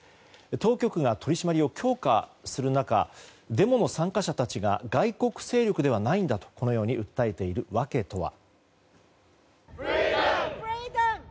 当局が取り締まりを強化する中デモの参加者たちが外国勢力ではないんだとこのように訴えている訳とは。